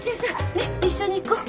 ねっ一緒に行こう。